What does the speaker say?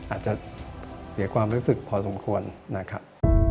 อาจจะเสียความรู้สึกพอสมควรนะครับ